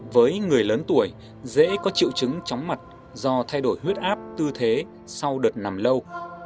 với người lớn tuổi dễ có triệu chứng chóng mặt do thay đổi huyết áp tư thế sau đợt nằm lâu